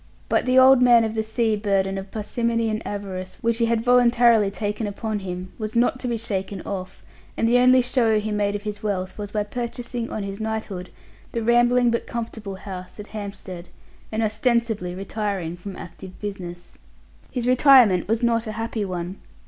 But the old man of the sea burden of parsimony and avarice which he had voluntarily taken upon him was not to be shaken off, and the only show he made of his wealth was by purchasing, on his knighthood, the rambling but comfortable house at Hampstead, and ostensibly retiring from active business. His retirement was not a happy one.